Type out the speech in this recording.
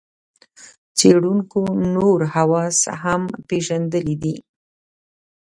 څېړونکو نور حواس هم پېژندلي دي.